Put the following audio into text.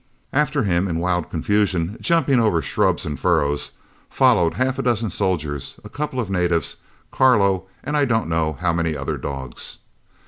After him, in wild confusion, jumping over shrubs and furrows, followed half a dozen soldiers, a couple of natives, Carlo, and I don't know how many other dogs.